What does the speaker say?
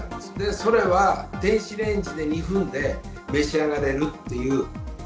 それは電子レンジで２分で召し上がれるっていう。